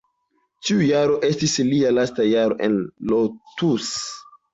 Tiu jaro estis lia lasta jaro en Lotus.